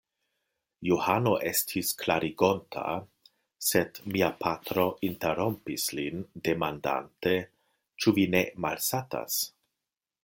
Johano estis klarigonta, sed mia patro interrompis lin demandante: Ĉu vi ne malsatas?